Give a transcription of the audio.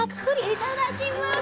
いただきます。